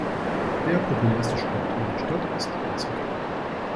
Der populärste Sport in der Stadt ist Eishockey.